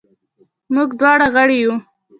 موږ دواړه غړي وو.